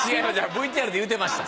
ＶＴＲで言ってました。